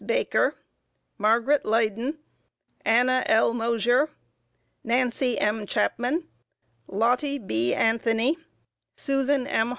Baker, Margaret Leyden, Anna L. Moshier, Nancy M. Chapman, Lottie B. Anthony, Susan M.